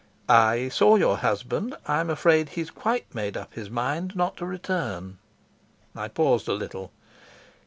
"I saw your husband. I'm afraid he's quite made up his mind not to return." I paused a little.